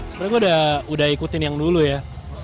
sebenarnya gue udah ikutin yang dulu ya